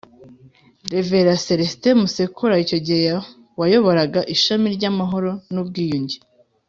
Rev. Celestin Musekura icyo gihe wayoboraga ishami ry’Amahoro n’Ubwiyunge